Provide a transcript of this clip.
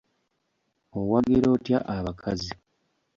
Owagira otya abakazi?